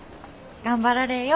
頑張られえよ。